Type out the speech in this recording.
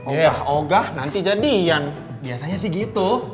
oga oga nanti jadian biasanya sih gitu